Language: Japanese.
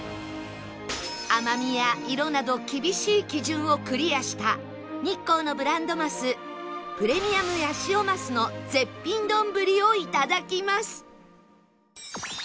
甘みや色など厳しい基準をクリアした日光のブランドマスプレミアムヤシオマスの絶品丼をいただきます